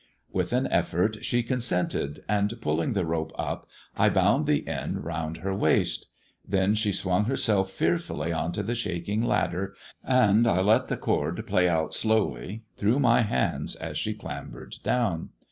With an effort she consented, and pulling the rope up I bound the end round her waist. Then she swung herself fearfully on to the shaking ladder, and I let the cord pay out slowly through my hands as she clambered down.